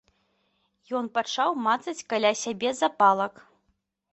Ён пачаў мацаць каля сябе запалак.